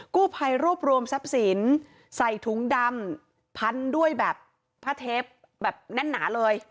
กู้ภัยรวบรวมทรัพย์สินใส่ถุงดำพันด้วยแบบผ้าเทปแบบแน่นหนาเลย